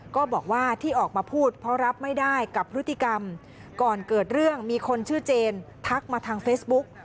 ก็บอกว่าที่ออกมาพูดเพราะรับไม่ได้กับพฤติกรรมก่อนเกิดเรื่องมีคนชื่อเจนทักมาทางเฟซบุ๊ก